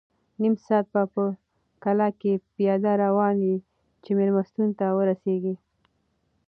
نیم ساعت به په کلا کې پیاده روان یې چې مېلمستون ته ورسېږې.